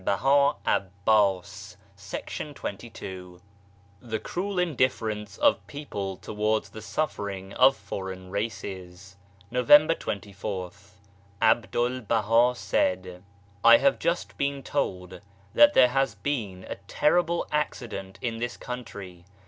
SUFFERING OF FOREIGN RACES 105 THE CRUEL INDIFFERENCE OF PEOPLE TOWARDS THE SUFFERING OF FOREIGN RACES November 24th. A BDUL BAHA said :^~* I have just been told that there has been a terrible accident in this country.